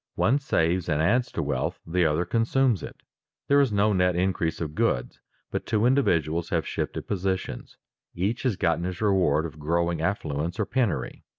One saves and adds to wealth, the other consumes it. There is no net increase of goods, but two individuals have shifted positions; each has gotten his reward of growing affluence or penury.